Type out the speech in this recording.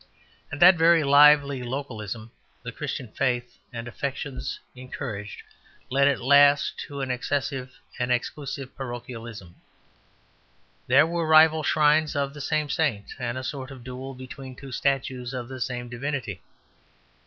And that very lively localism the Christian faith and affections encouraged led at last to an excessive and exclusive parochialism. There were rival shrines of the same saint, and a sort of duel between two statues of the same divinity.